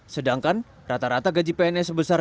sedangkan rata rata gaji pns sebesar